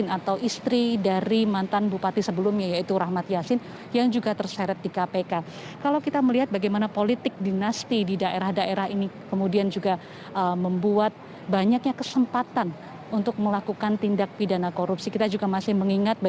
kami mendapat informasi bahwa hingga saat ini adeyasin masih merupakan ketua dewan pimpinan wilayah p tiga di jawa barat sedangkan untuk ketua dpc masih diduduki oleh eli raffi